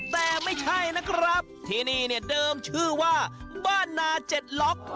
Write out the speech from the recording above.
แต่ไม่ใช่นะครับที่นี่เนี่ยเดิมชื่อว่าบ้านนาเจ็ดล็อก